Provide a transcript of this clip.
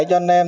cho anh em